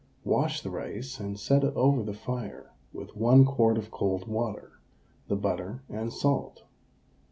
Wash the rice and set it over the fire with 1 quart of cold water, the butter and salt.